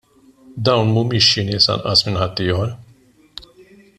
Dawn mhumiex xi nies anqas minn ħaddieħor.